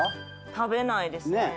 食べないですね。